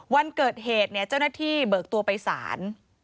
วันเกิดเหตุเนี่ยเจ้าหน้าที่เบิกตัวไปศาล